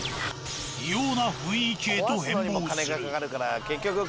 異様な雰囲気へと変貌する。